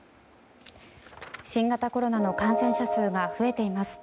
新型コロナの感染者数が増えています。